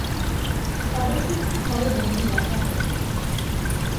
তাদেরকে একটি ঘরে বন্দী রাখা হলো।